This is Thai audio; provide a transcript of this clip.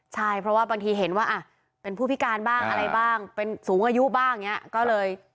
ใช่เพราะว่าบางทีเห็นว่าเป็นผู้พิการบ้างอะไรบ้างเป็นสูงอายุบ้างอย่างนี้ก็เลย